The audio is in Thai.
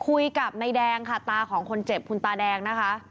คุยกับนายแดงค่ะตาของคนเจ็บคุณตาแดงนะคะ